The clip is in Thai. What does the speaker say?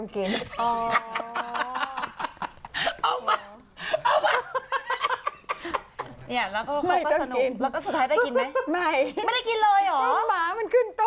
กินไหมไม่ไม่ได้กินเลยอ๋อเหมือนขึ้นต้อ